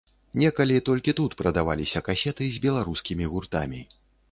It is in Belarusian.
Некалі толькі тут прадаваліся касеты з беларускімі гуртамі.